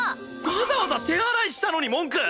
わざわざ手洗いしたのに文句！？